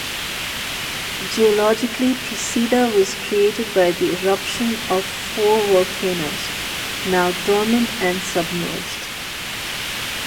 Geologically, Procida was created by the eruption of four volcanoes, now dormant and submerged.